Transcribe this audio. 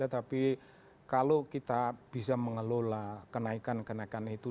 tapi kalau kita bisa mengelola kenaikan kenaikan itu